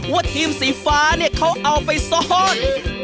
ว่าทีมสีฟ้าเนี่ยเขาเอาไปซ่อน